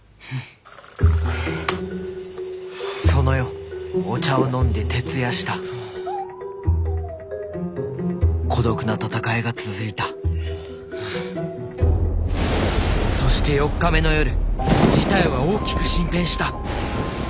その夜お茶を飲んで徹夜した孤独な闘いが続いたそして４日目の夜事態は大きく進展した！